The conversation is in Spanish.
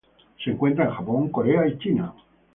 Se encuentra en Japón, Corea, y China.